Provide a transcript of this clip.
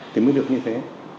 thì mới được như thế